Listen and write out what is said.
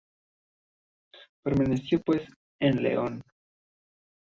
Permaneció, pues, en León.